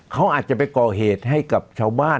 เขาอาจจะไปก่อเหตุให้กับชาวบ้าน